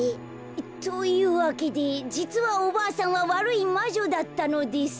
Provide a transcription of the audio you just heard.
というわけでじつはおばあさんはわるいまじょだったのです。